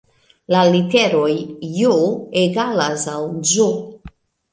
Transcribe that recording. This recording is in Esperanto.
La literoj J egalas al Ĝ